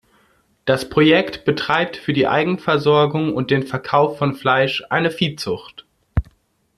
Das Projekt betreibt für die Eigenversorgung und den Verkauf von Fleisch eine Viehzucht.